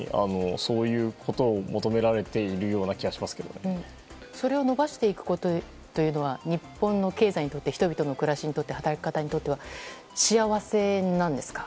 そういうことを求められているような気がそれを伸ばしていくことは日本の経済にとって人々の暮らしにとって働き方にとって幸せなんですか？